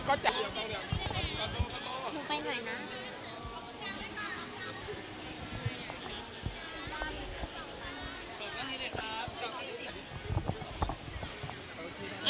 ไม่ได้แม่มูไปหน่อยนะ